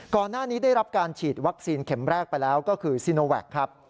ก่อนหน้านี้ได้รับการฉีดวัคซีนเข็มแรกไปแล้วก็คือซีโนแวคครับ